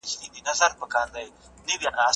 ساینسي موندنې له پخوانیو فرضیو څخه ډېرې کره دي.